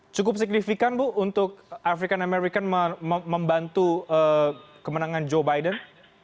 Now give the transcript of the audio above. cukup signifikan bu untuk african american membantu kemenangan joe biden